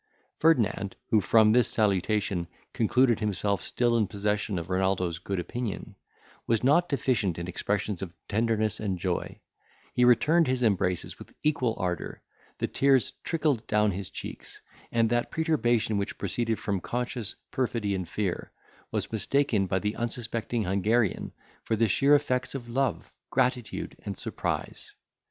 Ferdinand, who, from this salutation, concluded himself still in possession of Renaldo's good opinion, was not deficient in expressions of tenderness and joy; he returned his embraces with equal ardour, the tears trickled down his cheeks, and that perturbation which proceeded from conscious perfidy and fear, was mistaken by the unsuspecting Hungarian for the sheer effects of love, gratitude, and surprise.